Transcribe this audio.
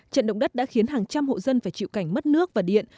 trận động đất đã khiến hàng trăm hộ dân phải chịu cảnh mất nước và điện